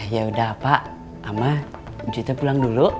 ya udah pak ama disitu pulang dulu